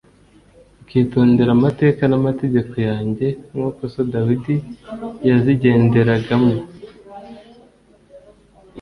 ukitondera amateka n’amategeko yanjye nk’uko so Dawidi yazigenderagamo